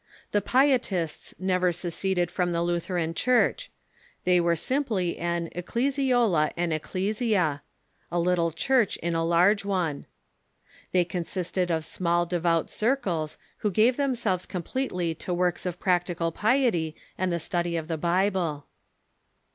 The Pietists never seceded from the Lutheran Church. They were simply an ccclesiola in ecclesia — a little church in the large one. They consisted of small devout circles, who gave themselves completely to works of j^ractical piety and the study of the Bible.